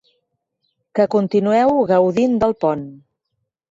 Que continueu gaudint del pont.